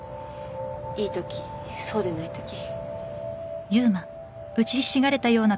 いいときそうでないとき